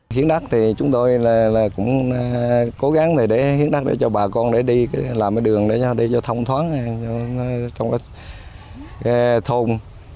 hiến đắc thì chúng tôi cũng cố gắng để hiến đắc cho bà con để đi làm đường để cho thông thoáng trong thôn